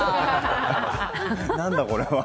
何だこれは。